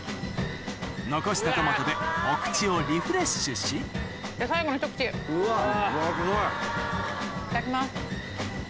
・残したトマトでお口をリフレッシュしいただきます。